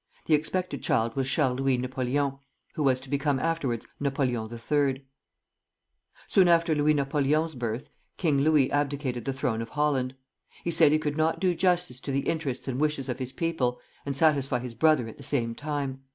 The expected child was Charles Louis Napoleon, who was to become afterwards Napoleon III. Soon after Louis Napoleon's birth, King Louis abdicated the throne of Holland. He said he could not do justice to the interests and wishes of his people, and satisfy his brother at the same time.